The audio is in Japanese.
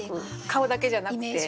顔だけじゃなくて。